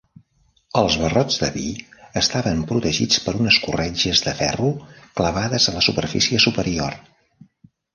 Els barrots de pi estaven protegits per unes corretges de ferro clavades a la superfície superior.